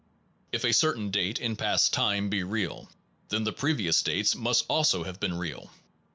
If a certain date in past time be real, then the previous dates must also have been real.